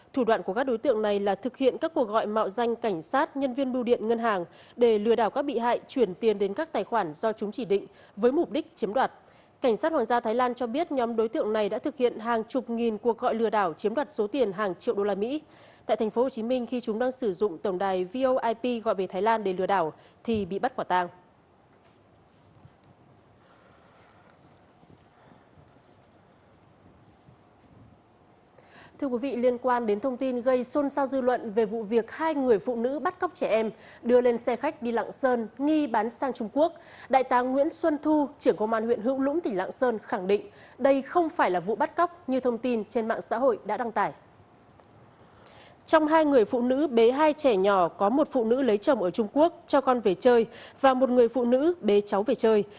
trong hai người phụ nữ bé hai trẻ nhỏ có một phụ nữ lấy chồng ở trung quốc cho con về chơi và một người phụ nữ bé cháu về chơi